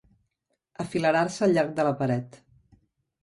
Afilerar-se al llarg de la paret.